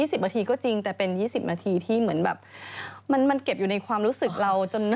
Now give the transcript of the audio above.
สิบนาทีก็จริงแต่เป็น๒๐นาทีที่เหมือนแบบมันมันเก็บอยู่ในความรู้สึกเราจน